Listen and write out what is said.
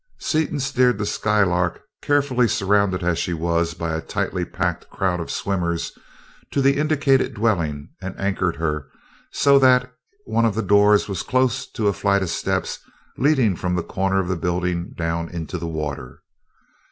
Seaton steered the Skylark carefully, surrounded as she was by a tightly packed crowd of swimmers, to the indicated dwelling, and anchored her so that one of the doors was close to a flight of steps leading from the corner of the building down into the water.